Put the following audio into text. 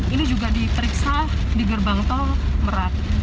ini juga diperiksa di gerbang tol merak